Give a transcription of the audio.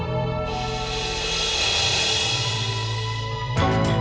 hai have power mengega bulan